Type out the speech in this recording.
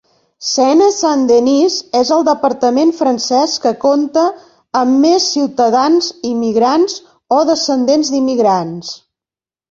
Sena Saint-Denis és el departament francès que compta amb més ciutadans immigrants o descendents d'immigrants.